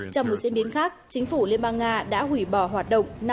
trong một diễn biến khác chính phủ liên bang nga đã hủy bỏ hoạt động năm hợp